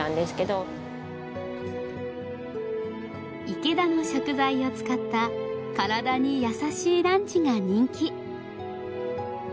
池田の食材を使った体に優しいランチが人気。